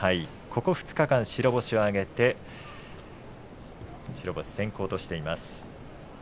ここ２日間白星を挙げて白星先行としています。